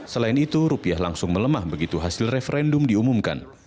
selain itu rupiah langsung melemah begitu hasil referendum diumumkan